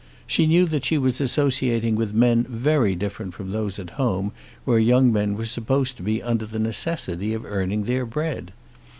She knew that she was associating with men very different from those at home where young men were supposed to be under the necessity of earning their bread.